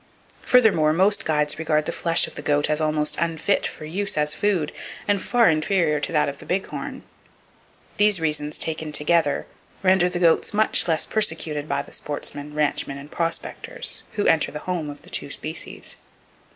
Furthermore, most guides regard the flesh of the goat as almost unfit for use as food, and far inferior to that of the big horn. These reasons, taken together, render the goats much less persecuted by the sportsmen, ranchmen and prospectors who enter the home of the two species.